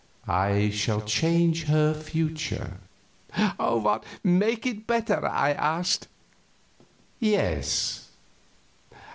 "I shall change her future." "Make it better?" I asked. "Yes.